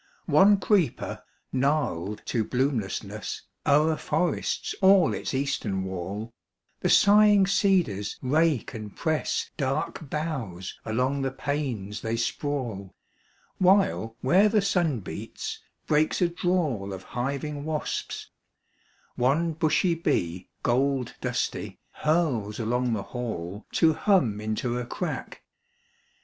2. One creeper, gnarled to bloomlessness, O'er forests all its eastern wall; The sighing cedars rake and press Dark boughs along the panes they sprawl; While, where the sun beats, breaks a drawl Of hiving wasps; one bushy bee, Gold dusty, hurls along the hall To hum into a crack.